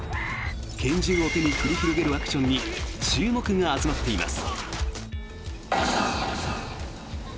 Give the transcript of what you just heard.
拳銃を手に繰り広げるアクションに注目が集まっています。